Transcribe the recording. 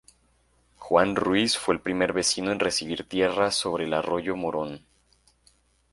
Juan Ruiz fue el primer vecino en recibir tierras sobre el arroyo Morón.